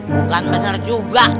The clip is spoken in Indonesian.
bukan bener juga